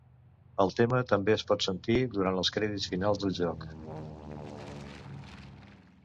El tema també es pot sentir durant els crèdits finals del joc.